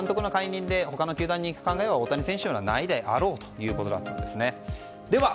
監督の退任で他の球団に行く考えは大谷選手はないであろうということですね。